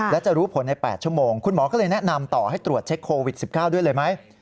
และจะรู้ผลใน๘ชั่วโมงคุณหมอก็เลยแนะนำต่อให้ตรวจเช็คโควิด๑๙ด้วยเลยไหม